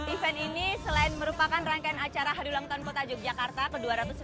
event ini selain merupakan rangkaian acara hadulangkan kota yogyakarta ke dua ratus enam puluh dua